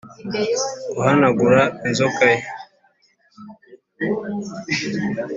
guhanagura inzoka ye,